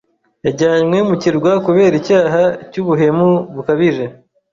Yajyanywe mu kirwa kubera icyaha cy’ubuhemu bukabije.